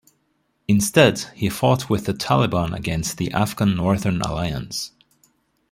Instead, he fought with the Taliban against the Afghan Northern Alliance.